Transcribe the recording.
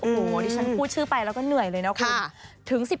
โอ้โหดิฉันพูดชื่อไปแล้วก็เหนื่อยเลยนะคุณ